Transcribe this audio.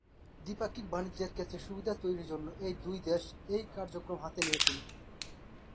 দ্বিপাক্ষিক বাণিজ্যের ক্ষেত্রে সুবিধা তৈরির জন্য এই দুই দেশ এই কার্যক্রম হাতে নিয়েছিল।